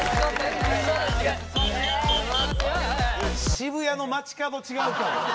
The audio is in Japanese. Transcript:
渋谷の街角違うから。